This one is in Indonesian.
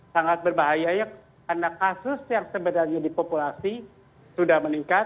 sangat berbahaya ya karena kasus yang sebenarnya dipopulasi sudah meningkat